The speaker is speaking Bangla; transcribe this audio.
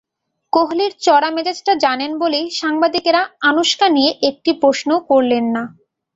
কোহলির চড়া মেজাজটা জানেন বলেই সাংবাদিকেরা আনুশকা নিয়ে একটি প্রশ্নও করলেন না।